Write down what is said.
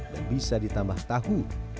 dan bisa ditambah tahu